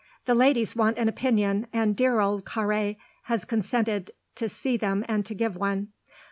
The ladies want an opinion, and dear old Carré has consented to see them and to give one.